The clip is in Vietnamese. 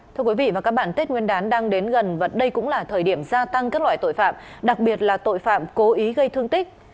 thưa quý vị và các bạn tết nguyên đán đang đến gần và đây cũng là thời điểm gia tăng các loại tội phạm đặc biệt là tội phạm cố ý gây thương tích